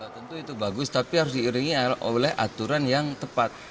tentu itu bagus tapi harus diiringi oleh aturan yang tepat